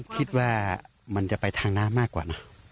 คิดว่ามันจะไปทางน้ำมากกว่านะ